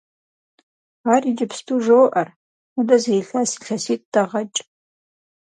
Ар иджыпсту жоӀэр, мыдэ зы илъэс-илъэситӀ дэгъэкӀ.